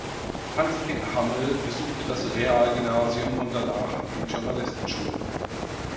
Hans-Peter Hammel besuchte das Realgymnasium und danach die Journalistenschule.